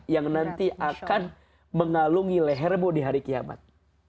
yang nanti akan mengalungi lehermu di hari kiamat